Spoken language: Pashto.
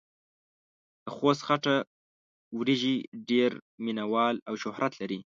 دخوست خټه وريژې ډېر مينه وال او شهرت لري.